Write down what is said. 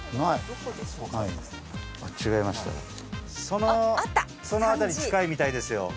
その辺り近いみたいですよ。